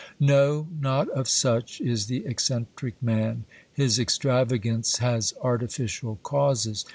No, not of such is the eccentric man. His extrava gance has artificial causes.